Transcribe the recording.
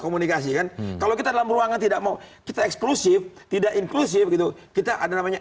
komunikasi kan kalau kita dalam ruangan tidak mau kita eksklusif tidak inklusif gitu kita ada namanya